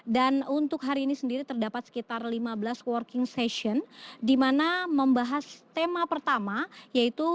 dan untuk hari ini sendiri terdapat sekitar lima belas working session di mana membahas tema pertama yaitu